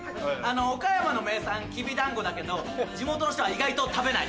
岡山の名産きびだんごだけど地元の人は意外と食べない。